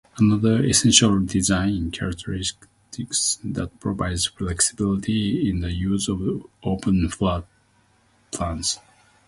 Another essential design characteristic that provides flexibility is the use of open floor plans.